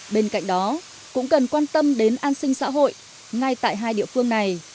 bên cạnh đó cũng cần quan tâm đến an sinh xã hội ngay tại hai địa phương này